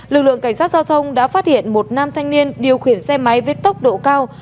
lực lượng cảnh sát giao thông đã phát hiện một nam thanh niên điều khiển xe máy với tốc độ cao